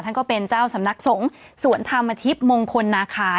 ท่านก็เป็นเจ้าสมนัสสงฆ์สวรรค์ธรรมทิพย์มงคลนาคา